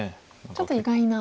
ちょっと意外な。